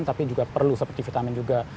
tapi juga perlu seperti vitamin juga